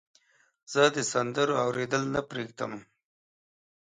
زه د سندرو اوریدل نه پرېږدم.